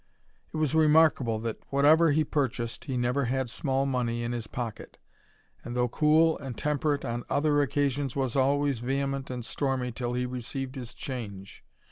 It was remarkable, that, whatever he purchased, he never had small money in his pocket; and, though cool and tem perate on other occasions, was always vehement and stormy till he received his change.